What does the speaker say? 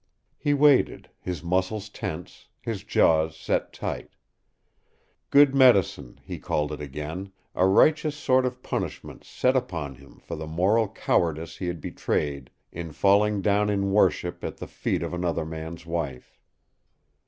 He waited, his muscles tense, his jaws set tight. Good medicine, he called it again, a righteous sort of punishment set upon him for the moral cowardice he had betrayed in falling down in worship at the feet of another man's wife.